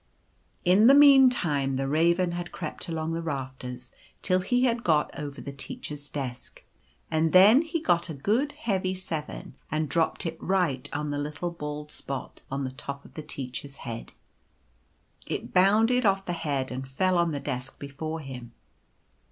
In the meantime the Raven had crept along the rafters till he had got over the Teacher's desk; and then he got a good heavy Seven and dropped it right on the little bald spot on the top of the Teacher's head. It bounded off the head and fell on the desk before him.